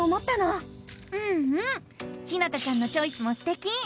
うんうんひなたちゃんのチョイスもすてき！